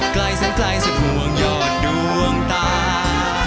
ไกลสังไกลจะปวงยอดดวงตา